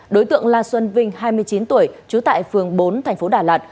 đối tượng la xuân vinh hai mươi chín tuổi trú tại phường bốn tp đà lạt